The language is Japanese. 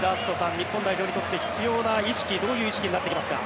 日本代表にとって必要な意識どういう意識になってきますか。